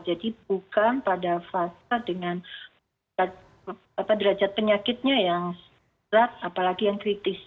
jadi bukan pada fase dengan derajat penyakitnya yang serat apalagi yang kritis